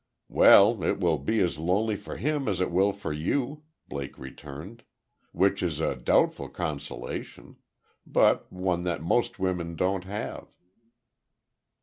"Well, it will be as lonely for him as it will for you," Blake returned; "which is a doubtful consolation, but one that most women don't have."